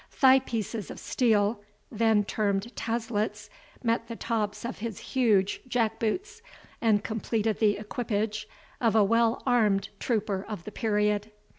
Thigh pieces of steel, then termed taslets, met the tops of his huge jack boots, and completed the equipage of a well armed trooper of the period.